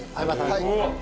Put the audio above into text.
はい。